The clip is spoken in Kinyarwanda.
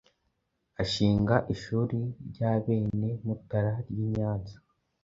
ashinga Ishuri ry’Abenemutara ry’inyanza